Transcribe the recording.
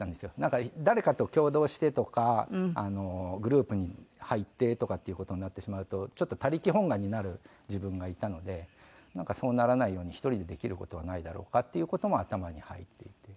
誰かと共同してとかグループに入ってとかっていう事になってしまうとちょっと他力本願になる自分がいたのでなんかそうならないように１人でできる事はないだろうかっていう事も頭に入っていて。